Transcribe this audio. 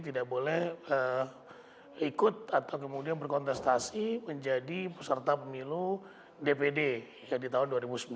tidak boleh ikut atau kemudian berkontestasi menjadi peserta pemilu dpd di tahun dua ribu sembilan belas